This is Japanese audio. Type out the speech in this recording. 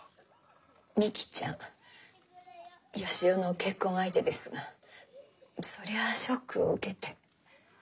美希ちゃん義雄の結婚相手ですがそりゃあショックを受けて。